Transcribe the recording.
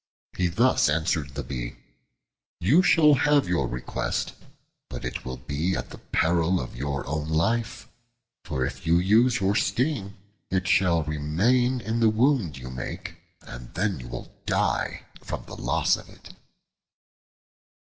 He thus answered the Bee: "You shall have your request, but it will be at the peril of your own life. For if you use your sting, it shall remain in the wound you make, and then you will die from the loss of it."